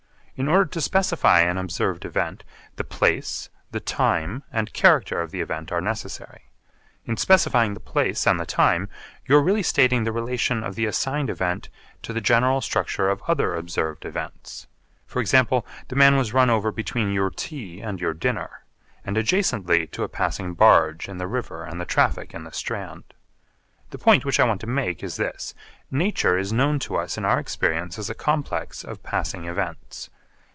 In order to specify an observed event, the place, the time, and character of the event are necessary. In specifying the place and the time you are really stating the relation of the assigned event to the general structure of other observed events. For example, the man was run over between your tea and your dinner and adjacently to a passing barge in the river and the traffic in the Strand. The point which I want to make is this: Nature is known to us in our experience as a complex of passing events.